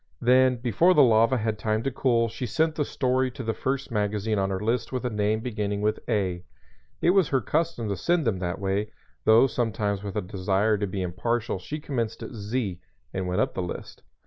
Then before the lava had time to cool she sent the story to the first magazine on her list with a name beginning with "A." It was her custom to send them that way, though sometimes with a desire to be impartial she commenced at "Z" and went up the list.